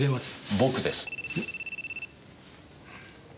僕です。